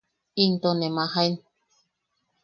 Into ne majaen.